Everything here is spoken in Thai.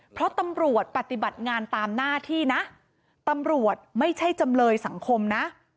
เพราะตำรวจปฏิบัติงานตามหน้าที่นะตำรวจไม่ใช่จำเลยสังคมนะ